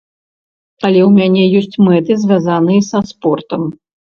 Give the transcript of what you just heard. Але ў мяне ёсць мэты, звязаныя са спортам.